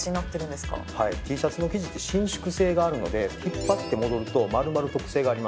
はいＴシャツの生地って伸縮性があるので引っ張って戻ると丸まる特性があります。